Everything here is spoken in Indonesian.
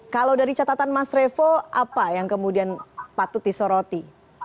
kalau dari catatan mas revo apa yang kemudian patut disoroti